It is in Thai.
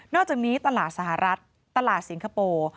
อกจากนี้ตลาดสหรัฐตลาดสิงคโปร์